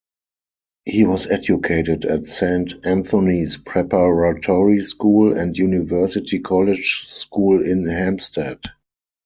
He was educated at Saint Anthony's Preparatory School and University College School in Hampstead.